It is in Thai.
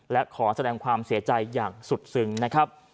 และขอแสดงความเสียใจอย่างสุดซึ้งนะครับ